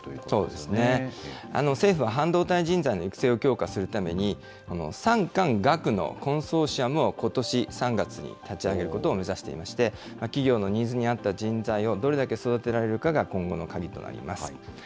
そうですね、政府は半導体人材の育成を強化するために、産官学のコンソーシアムを、ことし３月に立ち上げることを目指していまして、企業のニーズに合った人材をどれだけ育てられるかが今後の鍵となります。